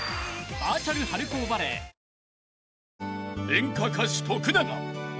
［演歌歌手徳永鬼